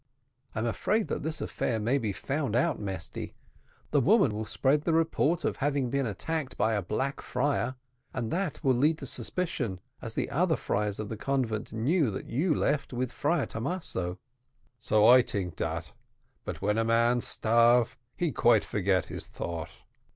"I'm afraid that this affair may be found out, Mesty; the woman will spread the report of having been attacked by a black friar, and that will lead to suspicion, as the other friars of the convent knew that you left with Friar Thomaso." "So I tink dat, but when a man starve, he quite forget his thought."